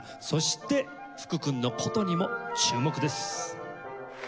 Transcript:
そして福君の箏にも注目です。